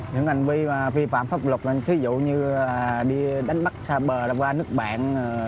những hành vi phi phạm pháp luật ví dụ như đánh bắt xa bờ qua nước bạn